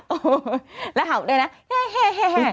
โอ้โหแล้วเห่าด้วยนะเฮ่เฮ่เฮ่เฮ่